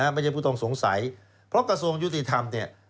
ผู้ต้องสงสัยเพราะกระทรวงยุติธรรมเนี่ย